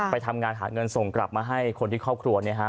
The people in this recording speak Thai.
ไปทำงานหาเงินส่งกลับมาให้คนที่ครอบครัว